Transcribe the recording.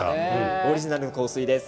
オリジナルの香水です。